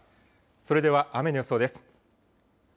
それでは雨の予想です。